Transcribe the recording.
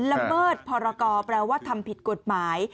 ละเมิดพรกรแปลว่าทำผิดกฎหมาย